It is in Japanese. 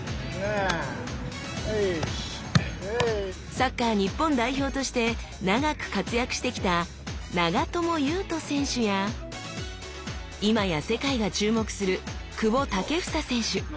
サッカー日本代表として長く活躍してきた長友佑都選手や今や世界が注目する久保建英選手。